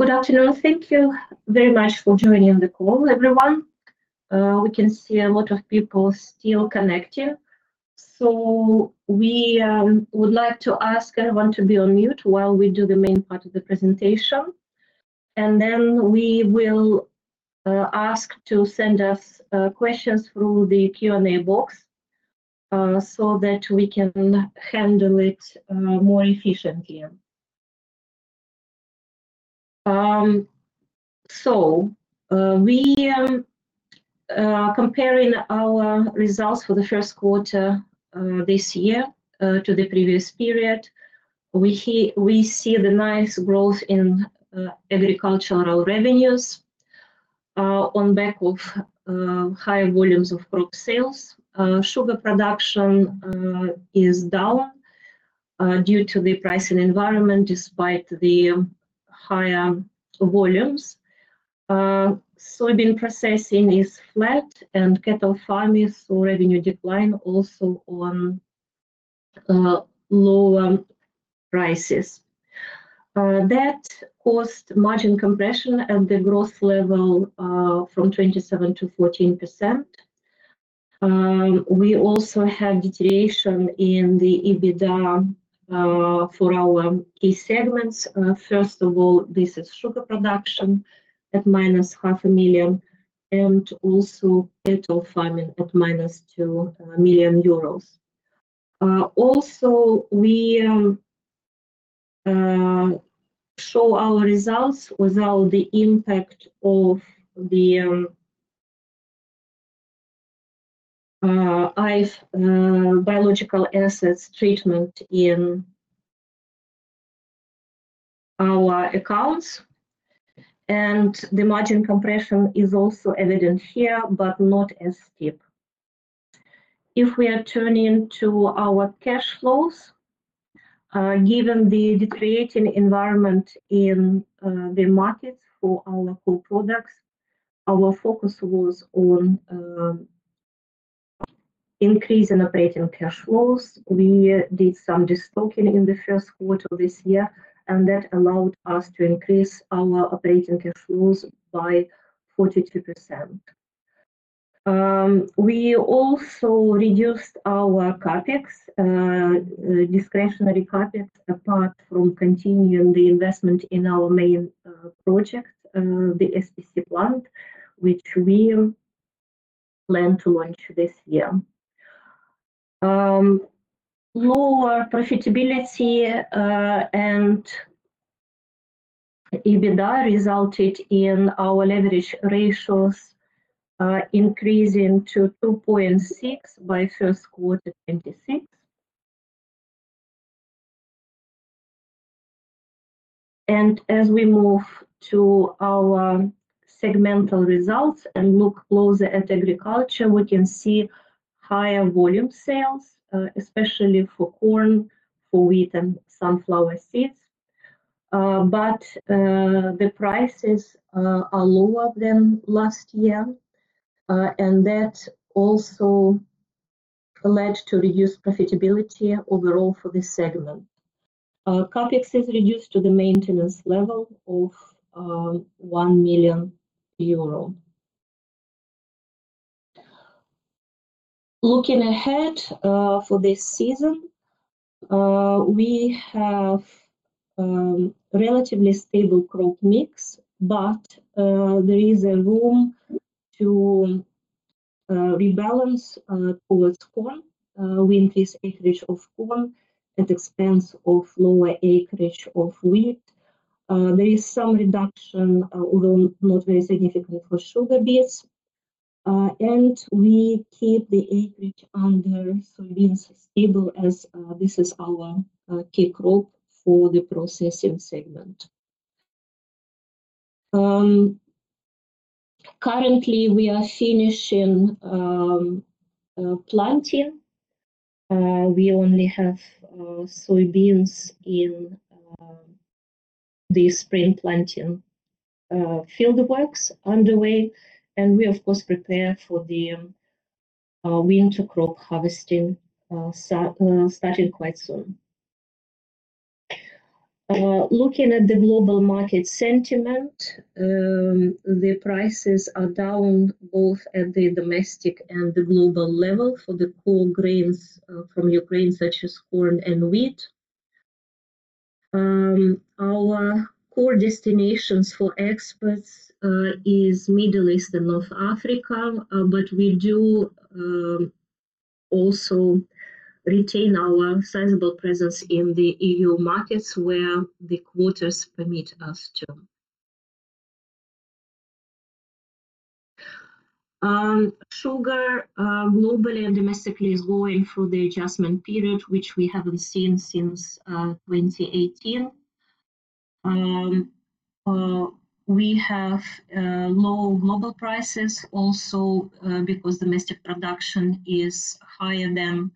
Good afternoon. Thank you very much for joining the call, everyone. We can see a lot of people still connecting. We would like to ask everyone to be on mute while we do the main part of the presentation, and then we will ask to send us questions through the Q&A box so that we can handle it more efficiently. We are comparing our results for the first quarter this year to the previous period. We see the nice growth in agricultural revenues on back of higher volumes of crop sales. Sugar production is down due to the pricing environment despite the higher volumes. Soybean processing is flat, and cattle farming saw revenue decline also on lower prices. That caused margin compression at the growth level from 27% to 14%. We also have deterioration in the EBITDA for our key segments. First of all, this is sugar production at minus EUR half a million, and also cattle farming at minus 2 million euros. Also, we show our results without the impact of the IFRS biological assets treatment in our accounts, and the margin compression is also evident here, but not as steep. If we are turning to our cash flows, given the deteriorating environment in the markets for our core products, our focus was on increasing operating cash flows. We did some destocking in the first quarter this year, and that allowed us to increase our operating cash flows by 42%. We also reduced our CapEx, discretionary CapEx, apart from continuing the investment in our main project, the SPC plant, which we plan to launch this year. Lower profitability and EBITDA resulted in our leverage ratios increasing to 2.6 by first quarter 2026. As we move to our segmental results and look closer at agriculture, we can see higher volume sales, especially for corn, for wheat, and sunflower seeds. The prices are lower than last year, and that also led to reduced profitability overall for this segment. CapEx is reduced to the maintenance level of EUR 1 million. Looking ahead for this season, we have relatively stable crop mix, but there is a room to rebalance towards corn. We increase acreage of corn at expense of lower acreage of wheat. There is some reduction, although not very significant, for sugar beets. We keep the acreage under soybeans stable as this is our key crop for the processing segment. Currently, we are finishing planting. We only have soybeans in the spring planting field works underway, and we, of course, prepare for the winter crop harvesting starting quite soon. Looking at the global market sentiment, the prices are down both at the domestic and the global level for the core grains from Ukraine, such as corn and wheat. Our core destinations for exports is Middle East and North Africa, but we do also retain our sizable presence in the EU markets where the quotas permit us to. Sugar globally and domestically is going through the adjustment period, which we haven't seen since 2018. We have low global prices also because domestic production is higher than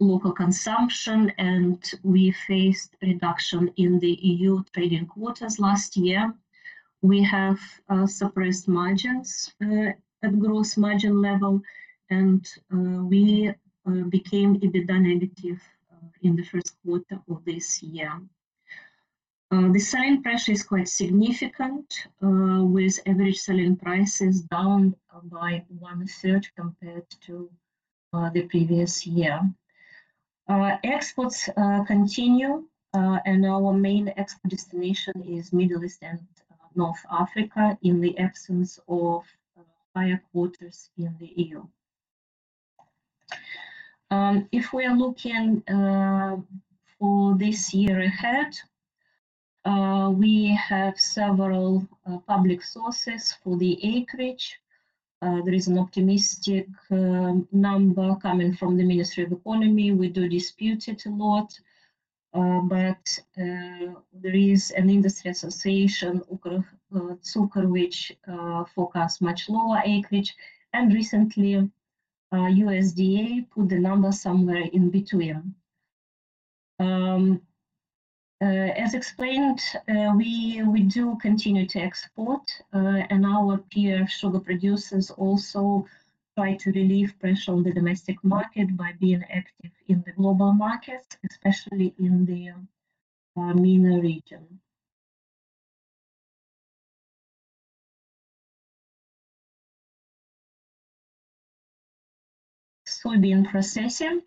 local consumption, and we faced reduction in the EU trading quotas last year. We have suppressed margins at gross margin level, and we became EBITDA negative in the first quarter of this year. The selling pressure is quite significant, with average selling prices down by one-third compared to the previous year. Exports continue. Our main export destination is Middle East and North Africa in the absence of higher quotas in the EU. If we are looking for this year ahead, we have several public sources for the acreage. There is an optimistic number coming from the Ministry of Economy. We do dispute it a lot. There is an industry association, Ukrsugar, which forecasts much lower acreage. Recently, USDA put the number somewhere in between. As explained, we do continue to export, and our peer sugar producers also try to relieve pressure on the domestic market by being active in the global market, especially in the MENA region. Soybean processing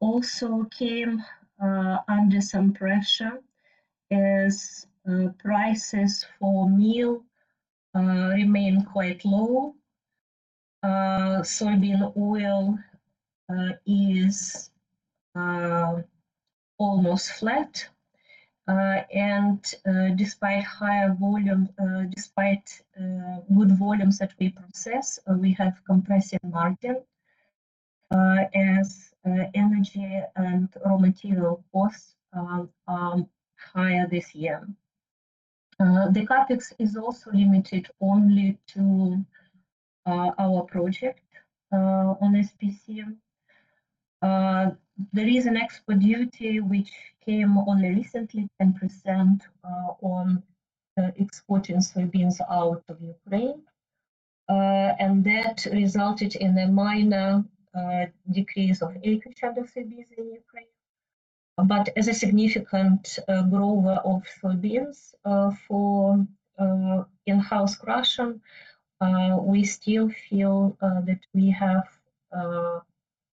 also came under some pressure as prices for meal remain quite low. Soybean oil is almost flat. Despite good volumes that we process, we have compressive margin as energy and raw material costs are higher this year. The CapEx is also limited only to our project on SPC. There is an export duty which came only recently, 10% on exporting soybeans out of Ukraine. That resulted in a minor decrease of acreage of soybeans in Ukraine. As a significant grower of soybeans for in-house crushing, we still feel that we have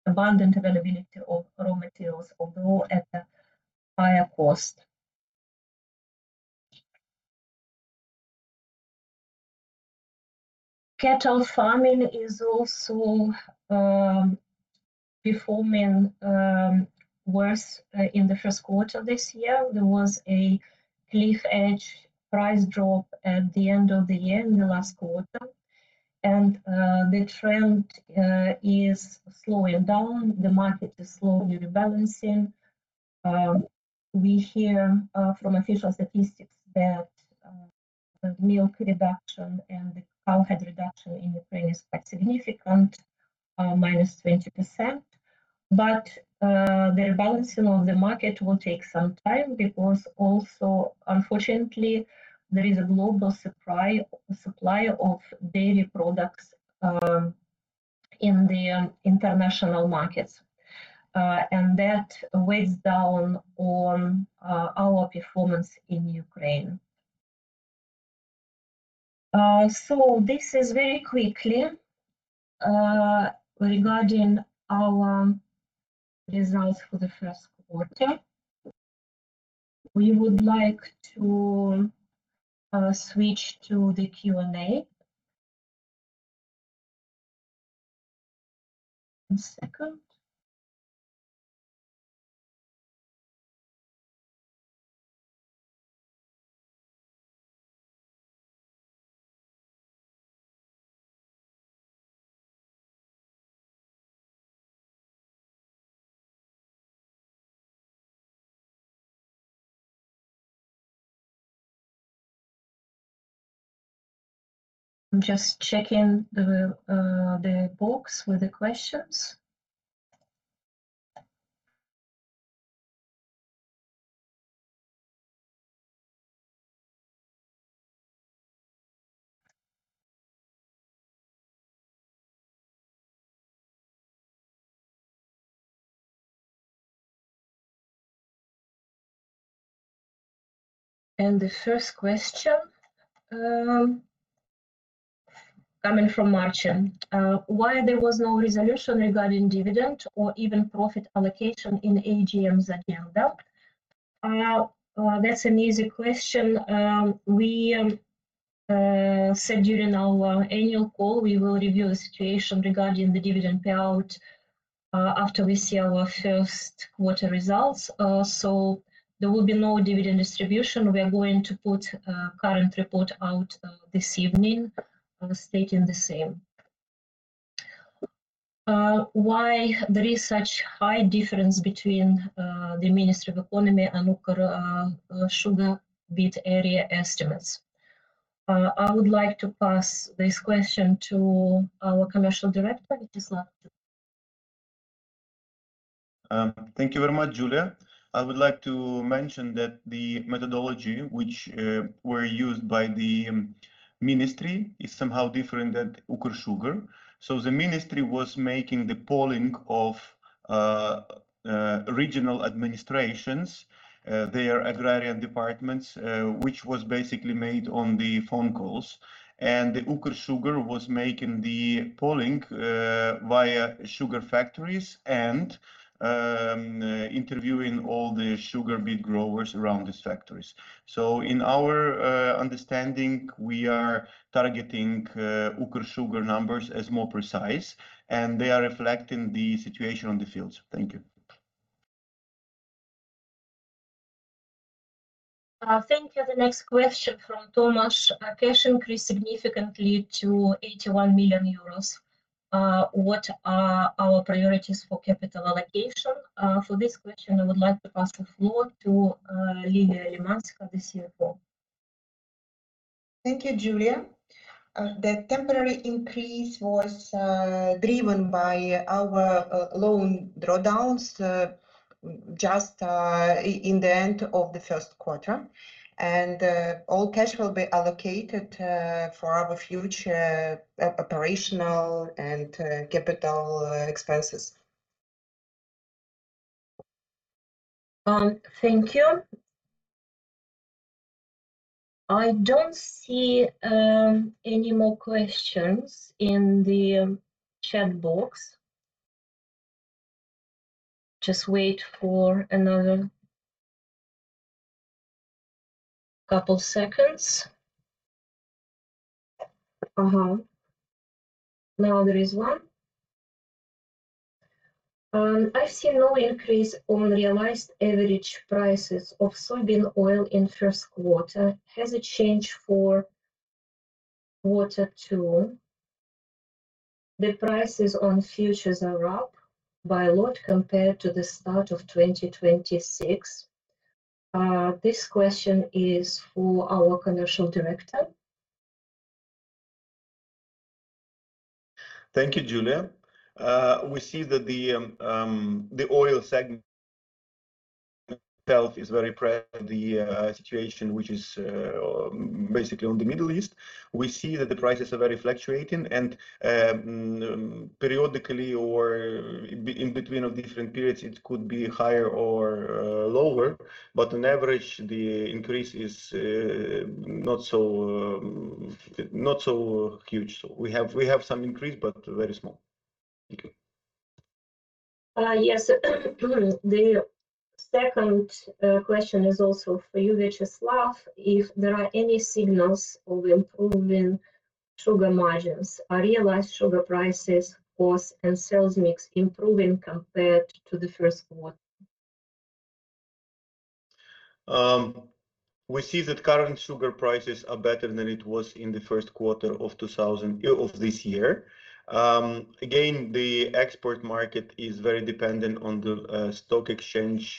abundant availability of raw materials, although at a higher cost. Cattle farming is also performing worse in the first quarter this year. There was a cliff edge price drop at the end of the year in the last quarter. The trend is slowing down. The market is slowly rebalancing. We hear from official statistics that the milk reduction and the cow head reduction in Ukraine is quite significant, -20%. The balancing of the market will take some time because also, unfortunately, there is a global supply of dairy products in the international markets. That weighs down on our performance in Ukraine. This is very quickly regarding our results for the first quarter. We would like to switch to the Q&A. One second. I'm just checking the box with the questions. The first question coming from Martin. Why there was no resolution regarding dividend or even profit allocation in the AGMs agenda? That's an easy question. We said during our annual call, we will review the situation regarding the dividend payout after we see our first quarter results. There will be no dividend distribution. We are going to put a current report out this evening stating the same. Why there is such high difference between the Ministry of Economy and Ukrsugar beet area estimates? I would like to pass this question to our commercial director, Viacheslav. Thank you very much, Julia. I would like to mention that the methodology which were used by the Ministry is somehow different at Ukrsugar. The Ministry was making the polling of regional administrations, their agrarian departments, which was basically made on the phone calls. The Ukrsugar was making the polling via sugar factories and interviewing all the sugar beet growers around these factories. In our understanding, we are targeting Ukrsugar numbers as more precise, and they are reflecting the situation on the fields. Thank you. Thank you. The next question from Thomas. Our cash increased significantly to 81 million euros. What are our priorities for capital allocation? For this question, I would like to pass the floor to Liliia Lymanska, the CFO. Thank you, Julia. The temporary increase was driven by our loan drawdowns just in the end of the first quarter. All cash will be allocated for our future operational and capital expenses. Thank you. I don't see any more questions in the chat box. Just wait for another couple seconds. There is one. I see no increase on realized average prices of soybean oil in 1st quarter. Has it changed for 2nd quarter? The prices on futures are up by a lot compared to the start of 2026. This question is for our commercial director. Thank you, Julia. We see that the oil segment itself is the situation which is basically on the Middle East. We see that the prices are very fluctuating and periodically or in between of different periods, it could be higher or lower, but on average, the increase is not so huge. We have some increase, but very small. Thank you. Yes. The second question is also for you, Viacheslav. If there are any signals of improving sugar margins. Are realized sugar prices, costs, and sales mix improving compared to the first quarter? We see that current sugar prices are better than it was in the first quarter of this year. The export market is very dependent on the stock exchange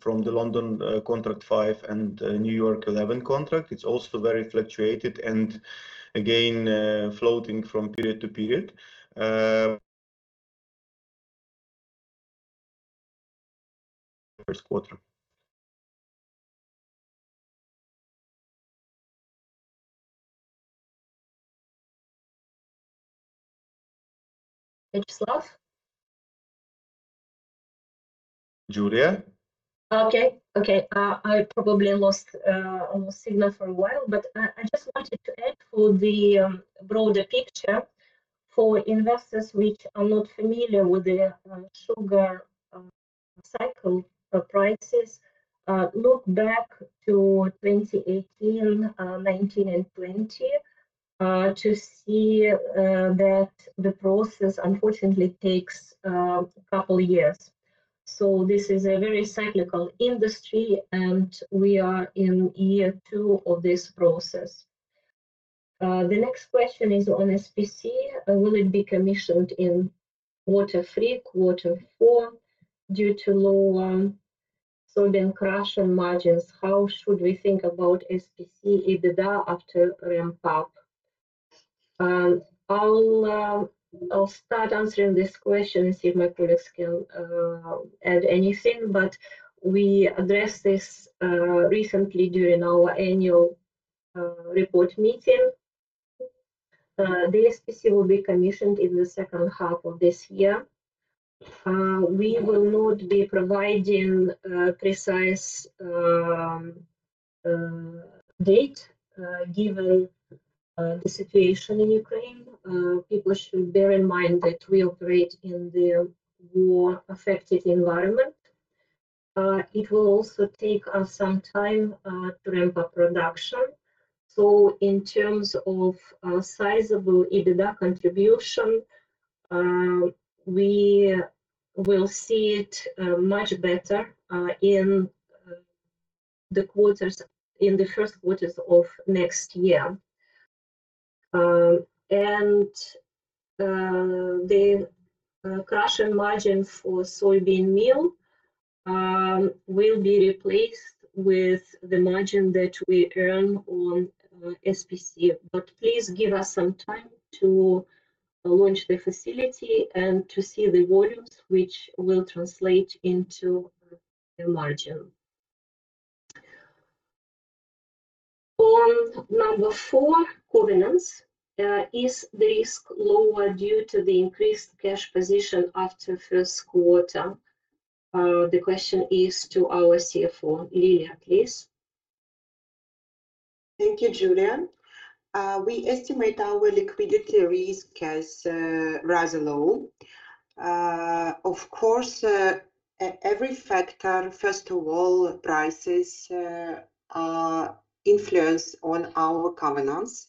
from the London No. 5 and Sugar No. 11 contract. It's also very fluctuated and again floating from period to period first quarter. Viacheslav? Julia? Okay. I probably lost signal for a while, but I just wanted to add for the broader picture for investors which are not familiar with the sugar cycle prices. Look back to 2018, 2019, and 2020 to see that the process unfortunately takes a couple years. This is a very cyclical industry, and we are in year two of this process. The next question is on SPC. Will it be commissioned in quarter three, quarter four due to low soybean crushing margins? How should we think about SPC EBITDA after ramp-up? I'll start answering this question and see if my colleagues can add anything, but we addressed this recently during our annual report meeting. The SPC will be commissioned in the second half of this year. We will not be providing a precise date given the situation in Ukraine. People should bear in mind that we operate in the war-affected environment. It will also take us some time to ramp up production. In terms of sizeable EBITDA contribution we will see it much better in the 1st quarters of next year. The crushing margin for soybean meal will be replaced with the margin that we earn on SPC. Please give us some time to launch the facility and to see the volumes which will translate into the margin. Number four, covenants. Is the risk lower due to the increased cash position after 1st quarter? The question is to our CFO, Liliia, please. Thank you, Julia. We estimate our liquidity risk as rather low. Of course, every factor, first of all, prices influence on our covenants,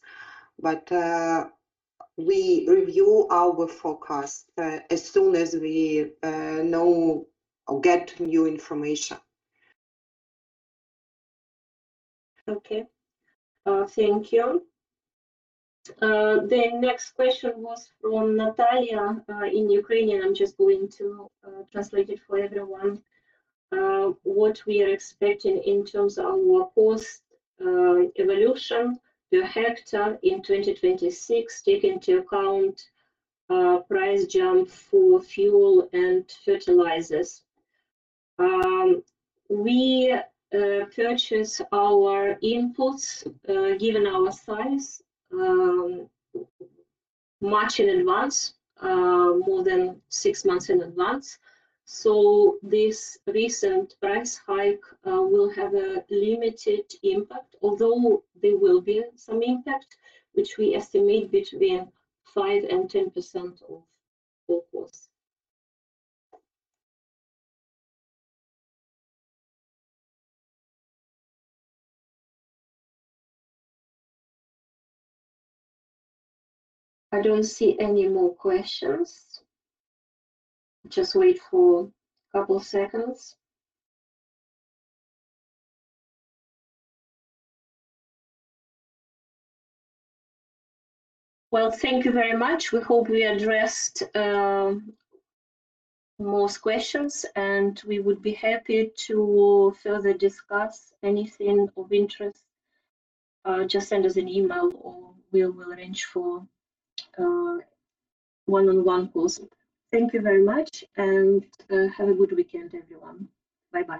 we review our forecast as soon as we know or get new information. Okay. Thank you. The next question was from Natalia in Ukrainian. I'm just going to translate it for everyone. What we are expecting in terms of our cost evolution per hectare in 2026, take into account price jump for fuel and fertilizers. We purchase our inputs, given our size, much in advance, more than six months in advance. This recent price hike will have a limited impact, although there will be some impact, which we estimate between 5% and 10% of COGS. I don't see any more questions. Just wait for a couple seconds. Well, thank you very much. We hope we addressed most questions, and we would be happy to further discuss anything of interest. Just send us an email or we will arrange for one-on-one calls. Thank you very much, and have a good weekend, everyone. Bye-bye.